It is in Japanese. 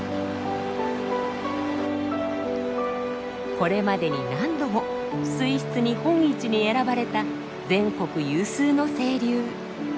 これまでに何度も水質日本一に選ばれた全国有数の清流。